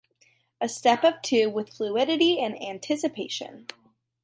A step of two with fluidity and anticipation.